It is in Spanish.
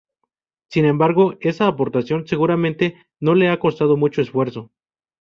Sin embargo, esa aportación seguramente no le ha costado mucho esfuerzo.